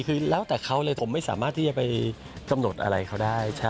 คือแล้วแต่เขาเลยผมไม่สามารถที่จะไปกำหนดอะไรเขาได้